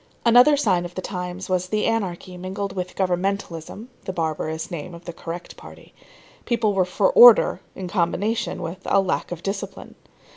Another sign of the times was the anarchy mingled with governmentalism [the barbarous name of the correct party]. People were for order in combination with lack of discipline.